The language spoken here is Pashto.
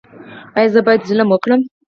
ایا زه باید ظلم وکړم؟